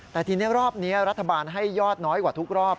แต่ทีนี้รอบนี้รัฐบาลให้ยอดน้อยกว่าทุกรอบ